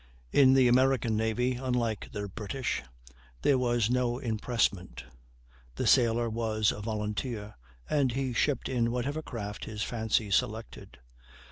In the American navy, unlike the British, there was no impressment; the sailor was a volunteer, and he shipped in whatever craft his fancy selected.